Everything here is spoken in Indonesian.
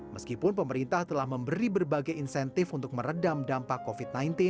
meskipun pemerintah telah memberi berbagai insentif untuk meredam dampak covid sembilan belas